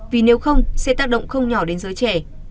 vì nếu không sẽ tác động không nhỏ đến giới trẻ